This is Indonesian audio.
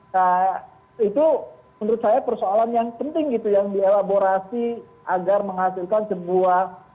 nah itu menurut saya persoalan yang penting gitu yang dielaborasi agar menghasilkan sebuah